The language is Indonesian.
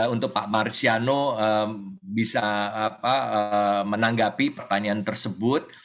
untuk pak marsiano bisa menanggapi pertanyaan tersebut